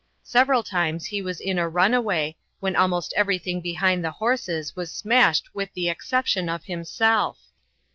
Several times he was in a runaway, when almost everything behind the horses was smashed with the exception of himself.